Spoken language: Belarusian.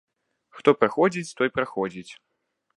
Хто праходзіць, той праходзіць.